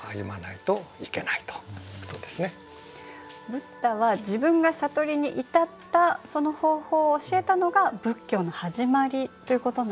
ブッダは自分が悟りに至ったその方法を教えたのが仏教の始まりということなんですね。